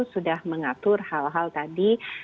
sudah mengatur hal hal tadi